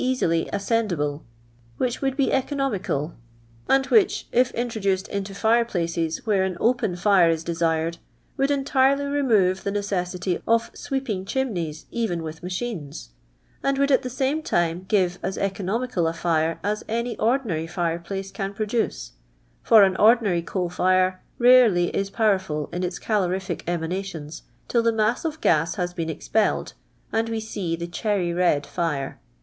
oiisily atveudible, wliich would be economical, and which, if introduced into fire piace« where an opc n tire is de.*ired, would tntirtly remoir thi nvC€»4ity 0/ fr.tpiuii chituntii* t'vu » ith maehlncSf nnd I would nt the ssune time give as (Economical a tire as any ordinary fire place can produce, fur an I ordinary co; il fire rarely is powerful in its calorific emanations till the mass of gas has been expelled, I and we see the diorryred firi».